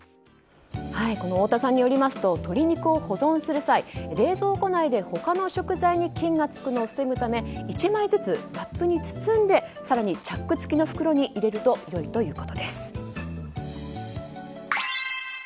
太田さんによりますと鶏肉を保存する際冷蔵庫内で他の食材に菌がつくのを防ぐため１枚ずつラップに包んで更にチャック付きの袋に入れるとよいとのことです。